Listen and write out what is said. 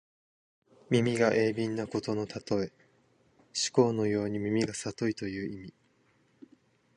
耳が鋭敏なことのたとえ。師曠のように耳がさといという意味。